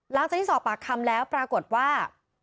หลังจากที่สอบปากคำแล้วปรากฏว่า